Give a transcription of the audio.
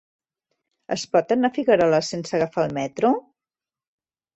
Es pot anar a Figueroles sense agafar el metro?